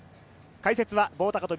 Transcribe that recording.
解説は棒高跳